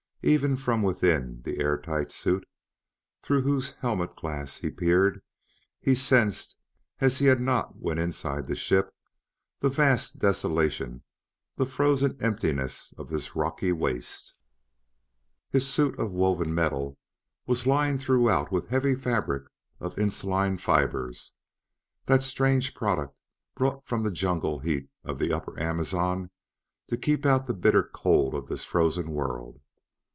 Even from within the air tight suit, through whose helmet glass he peered, he sensed, as he had not when inside the ship, the vast desolation, the frozen emptiness of this rocky waste. His suit of woven metal was lined throughout with heavy fabric of insuline fibers, that strange product brought from the jungle heat of the upper Amazon to keep out the bitter cold of this frozen world.